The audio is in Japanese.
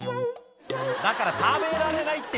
だから食べられないって！